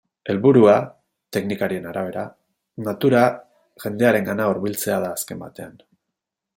Helburua, teknikariaren arabera, natura jendearengana hurbiltzea da azken batean.